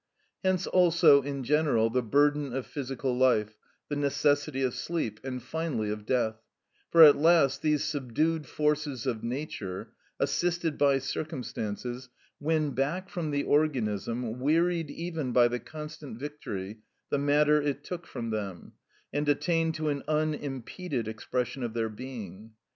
Hence also in general the burden of physical life, the necessity of sleep, and, finally, of death; for at last these subdued forces of nature, assisted by circumstances, win back from the organism, wearied even by the constant victory, the matter it took from them, and attain to an unimpeded expression of their being.